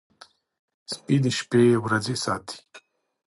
سپي د شپې ورځي ساتي.